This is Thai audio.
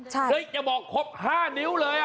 เฮ้ยอย่าบอกพบห้านิ้วเลย